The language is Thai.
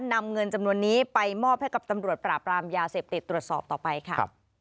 นำเงินจำนวนนี้ไปมอบให้กับตำรวจปราบรามยาเสพติดตรวจสอบต่อไปค่ะ